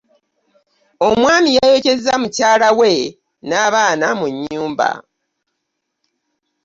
Omwami yayokeza mukyala we na baana mu nnyumba.